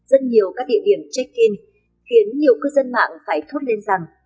rất nhiều các địa điểm check in khiến nhiều cư dân mạng phải thốt lên rằng